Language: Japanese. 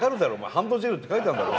「ハンドジェル」って書いてあるだろ。